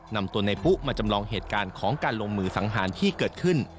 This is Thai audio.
นำตัวในปุ๊มาจำลองเหตุการณ์ของการลงมือสังหารที่เกิดขึ้น